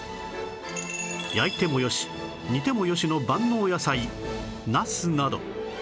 焼いてもよし煮てもよしの万能野菜なすなど